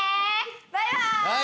バイバイ！